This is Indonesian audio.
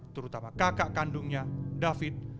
terutama kakak kandungnya david